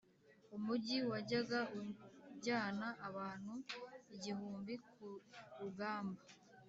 Umugi wajyaga ujyana abantu igihumbi ku rugamba